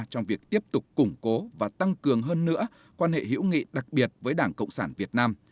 trong việc tiếp tục củng cố và tăng cường hơn nữa quan hệ hữu nghị đặc biệt với đảng cộng sản việt nam